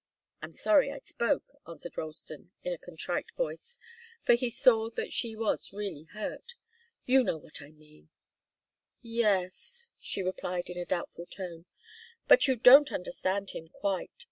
"I'm sorry I spoke," answered Ralston, in a contrite voice, for he saw that she was really hurt. "You know what I mean " "Yes " she replied in a doubtful tone. "But you don't understand him, quite.